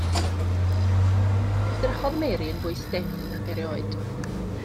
Edrychodd Mary yn fwy stiff nag erioed.